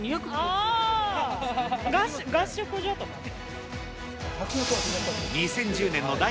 ああ、合宿所とかね。